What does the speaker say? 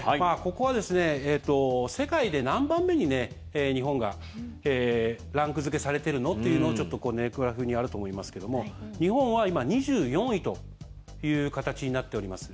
ここは世界で何番目に日本がランク付けされてるの？というのがグラフにあると思いますけども日本は今、２４位という形になっております。